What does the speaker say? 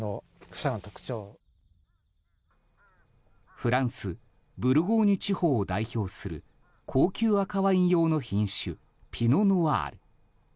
フランス・ブルゴーニュ地方を代表する高級赤ワイン用の品種ピノ・ノワール。